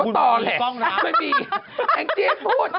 ไม่มีแอ็งเจสพูด